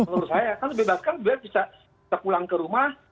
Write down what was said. menurut saya kan dibebaskan biar bisa pulang ke rumah